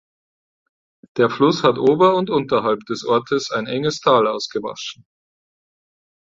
Der Fluss hat ober- und unterhalb des Ortes ein enges Tal ausgewaschen.